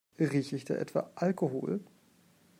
Rieche ich da etwa Alkohol?